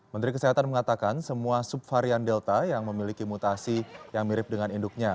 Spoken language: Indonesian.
menteri kesehatan mengatakan semua subvarian delta yang memiliki mutasi yang mirip dengan induknya